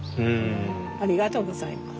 ありがとうございます。